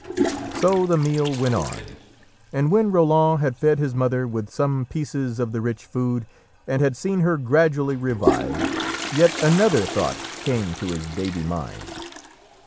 So the meal went on, and when Roland had fed his mother with some pieces of the rich food and had seen her gradually revive, yet another thought came to his baby mind.